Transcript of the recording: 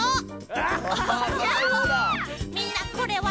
みんなこれは。